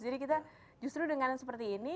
jadi kita justru dengan seperti ini